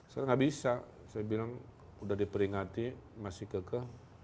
sekarang nggak bisa saya bilang sudah diperingati masih keke